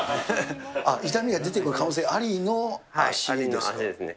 痛みが出てくる可能性ありの足ですか？